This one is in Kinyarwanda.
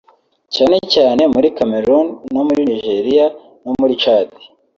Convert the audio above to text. cyane cyane muri Cameroon no muri Nigeria no muri Tchad